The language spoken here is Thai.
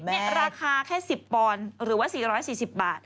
นี่ราคาแค่๑๐ปอนด์หรือว่า๔๔๐บาท